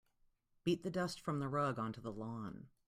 Beat the dust from the rug onto the lawn.